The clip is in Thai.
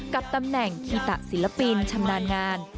กับตำแหน่งคีตะศิลปินชำนาญงาน